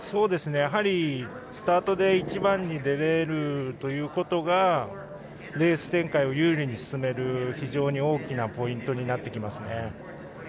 やはり、スタートで一番に出れるということがレース展開を有利に進める非常に大きなポイントになります。